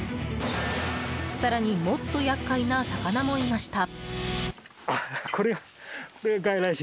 更に、もっと厄介な魚もいました。